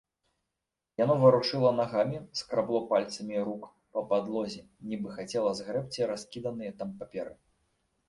Яно варушыла нагамі, скрабло пальцамі рук па падлозе, нібы хацела згрэбці раскіданыя там паперы.